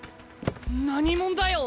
何者だよ？